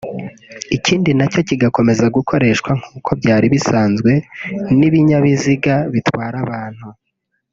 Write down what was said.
ikindi nacyo kigakomeza gukoresha kn’uko byari bisanzwe n’ibinyabiziga bitwara abantu